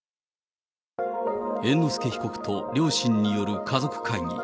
猿之助被告と両親による家族会議。